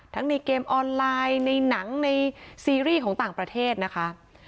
ในเกมออนไลน์ในหนังในซีรีส์ของต่างประเทศนะคะ